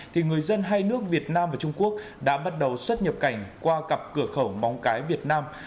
thì người dân hai nước việt nam và trung quốc đã bắt đầu xuất nhập cảnh qua cặp cửa khẩu móng cái việt nam